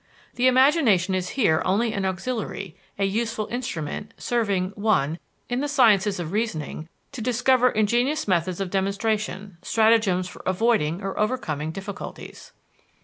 The imagination is here only an auxiliary, a useful instrument, serving: (1) In the sciences of reasoning, to discover ingenious methods of demonstration, stratagems for avoiding or overcoming difficulties.